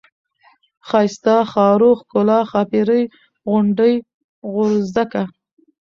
ښايسته ، ښارو ، ښکلا ، ښاپيرۍ ، غونډۍ ، غورځکه ،